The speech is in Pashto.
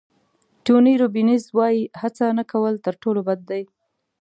ټوني روبینز وایي هڅه نه کول تر ټولو بد دي.